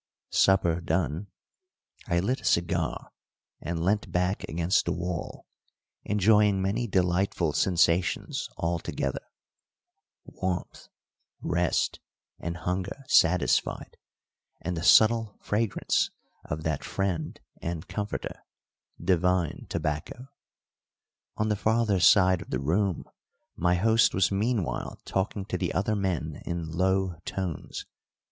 Supper done, I lit a cigar and leant back against the wall, enjoying many delightful sensations all together warmth, rest, and hunger satisfied, and the subtle fragrance of that friend and comforter, divine tobacco. On the farther side of the room my host was meanwhile talking to the other men in low tones.